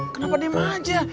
kenapa dia maja